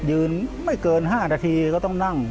ยืนไม่เกิน๕นาทีก็ต้องนั่ง